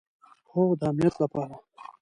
هو، د امنیت لپاره